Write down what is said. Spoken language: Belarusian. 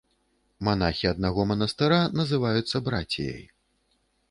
Манахі аднаго манастыра называюцца браціяй.